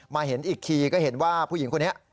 เห็นอีกทีก็เห็นว่าผู้หญิงคนนี้